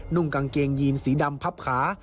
่งกางเกงยีนสีดำพับขา